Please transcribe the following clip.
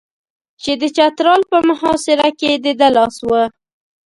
چې د چترال په محاصره کې د ده لاس و.